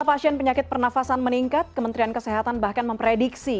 pasien penyakit pernafasan meningkat kementerian kesehatan bahkan memprediksi